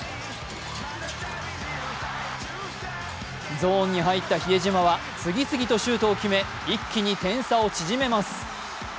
ゾーンに入った比江島は次々とシュートを決め一気に点差を縮めます。